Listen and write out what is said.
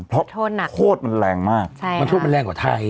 เพราะโทษหนักโทษมันแรงมากมันโทษมันแรงกว่าไทย